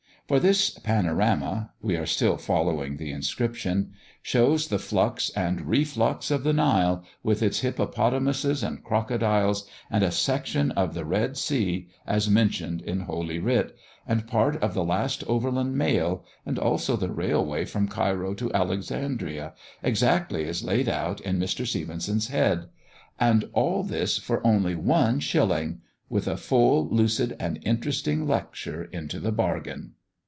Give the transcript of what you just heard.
For this panorama we are still following the inscription shows the flux and reflux of the Nile, with its hippopotamuses and crocodiles, and a section of the Red Sea, as mentioned in Holy Writ, and part of the last overland mail, and also the railway from Cairo to Alexandria, exactly as laid out in Mr. Stephenson's head. And all this for only one shilling! with a full, lucid, and interesting lecture into the bargain.